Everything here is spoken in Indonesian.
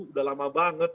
udah lama banget